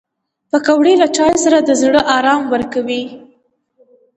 پکورې له چایو سره د زړه ارام ورکوي